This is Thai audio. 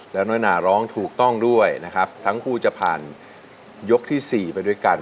แล้วน้อยนาร้องถูกต้องด้วยนะครับทั้งคู่จะผ่านยกที่สี่ไปด้วยกัน